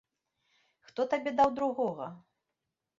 Хто табе даў другога?